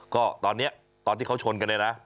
ก็ตอนนี้ตอนที่เขาชนกันเนี่ยนะ